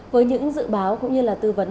với những dự báo cũng như là tư vấn